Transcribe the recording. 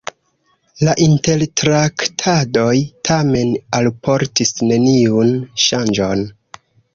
La intertraktadoj tamen alportis neniun ŝanĝon.